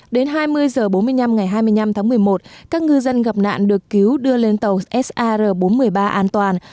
đến hai mươi h bốn mươi năm ngày hai mươi năm tháng một mươi một các ngư dân gặp nạn được cứu đưa lên tàu sar bốn trăm một mươi ba an toàn